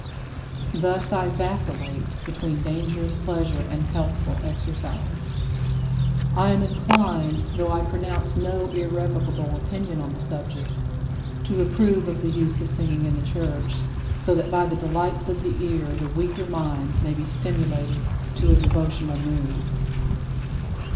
Thus I vacillate between dangerous pleasure and healthful exercise. I am inclined though I pronounce no irrevocable opinion on the subject to approve of the use of singing in the church, so that by the delights of the ear the weaker minds may be stimulated to a devotional mood.